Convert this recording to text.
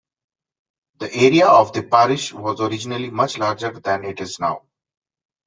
The area of the parish was originally much larger than it is now.